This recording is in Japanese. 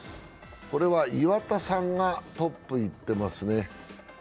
これは岩田さんがトップいってますね。